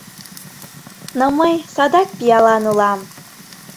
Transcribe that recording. Но мый садак пиалан улам.